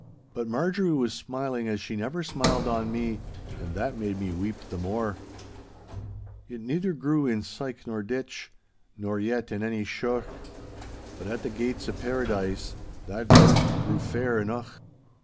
But Marjorie was smiling as she never smiled on me, and that made me weep the more. 'It neither grew in syke nor ditch Nor yet in any sheuch, But at the gates o' Paradise, _That birk grew fair eneuch.